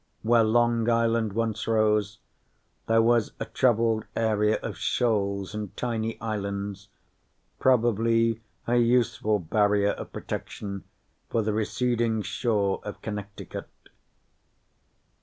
Where Long Island once rose, there was a troubled area of shoals and tiny islands, probably a useful barrier of protection for the receding shore of Connecticut.